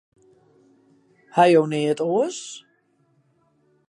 Ha jo neat oars?